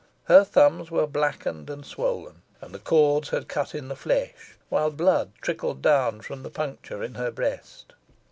Her thumbs were blackened and swollen, and the cords had cut into the flesh, while blood trickled down from the puncture in her breast.